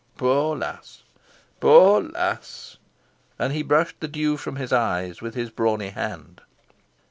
Poor lass! poor lass!" and he brushed the dew from his eyes with his brawny hand.